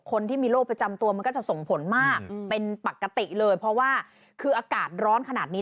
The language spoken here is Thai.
คนที่มีโรคประจำตัวมันก็จะส่งผลมากเป็นปกติเลยเพราะว่าคืออากาศร้อนขนาดนี้